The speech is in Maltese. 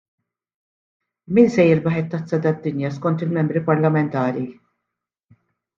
Min se jirbaħ it-Tazza tad-Dinja skont il-Membri Parlamentari?